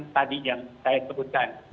tadi yang saya sebutkan